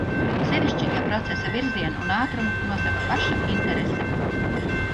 Sevišķi, ja procesa virzienu un ātrumu nosaka paša interese.